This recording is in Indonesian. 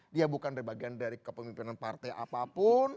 dia bukan bagian dari kepemimpinan partai apapun